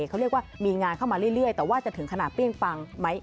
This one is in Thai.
เขาเรียกว่ามีงานเข้ามาเรื่อยแต่ว่าจะถึงขนาดเปรี้ยงปังไหม